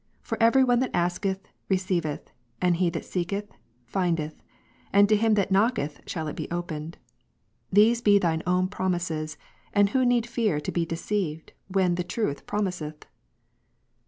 For every one that asketh, receiv T 8 eth ; and he that seeketh, findeth ; and to him that knocketh, shall it be opened. These be Thine own promises : and who need fear to be deceived, when the Truth promiseth